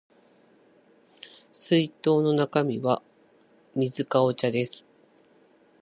水筒の中身は水かお茶です